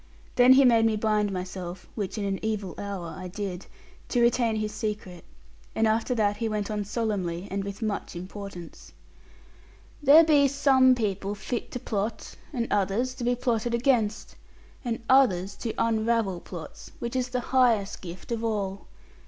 Then he made me bind myself, which in an evil hour I did, to retain his secret; and after that he went on solemnly, and with much importance, 'There be some people fit to plot, and others to be plotted against, and others to unravel plots, which is the highest gift of all.